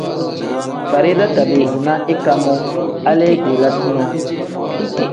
Farida tabiizi na ika moo hali belente nyoo.